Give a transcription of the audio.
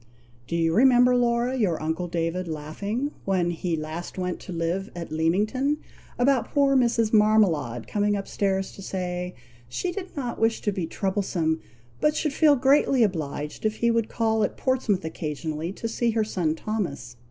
"Do you remember, Laura, your uncle David laughing, when he last went to live at Leamington, about poor Mrs. Marmalade coming up stairs to say, she did not wish to be troublesome, but should feel greatly obliged if he would call at Portsmouth occasionally to see her son Thomas.